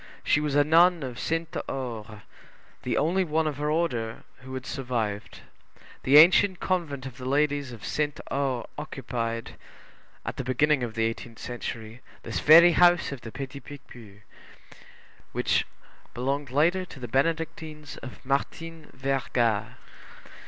She was a nun of Sainte Aure, the only one of her order who had survived. The ancient convent of the ladies of Sainte Aure occupied, at the beginning of the eighteenth century, this very house of the Petit Picpus, which belonged later to the Benedictines of Martin Verga.